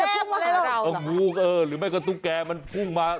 แชลบเลยหรอมันจะพุ่งมาหาเราหรอหรือไม่ก็ตุ๊กแก่มันพุ่งมา